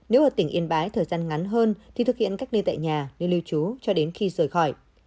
nếu ở tỉnh yên bái thời gian ngắn hơn thì thực hiện cách ly tại nhà nơi lưu trú cho đến khi rời khỏi